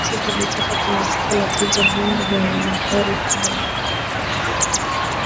Virusi vilitoka kwenye soko la kuuza viungo vya wanyama pori